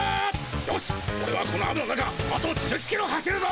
よしオレはこの雨の中あと１０キロ走るぞ！